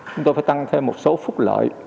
chúng tôi phải tăng thêm một số phút lợi